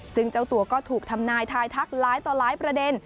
ซึ่งเจ้าตัวก็ถูกทำนายทายทักหลายต่อหลายประเด็น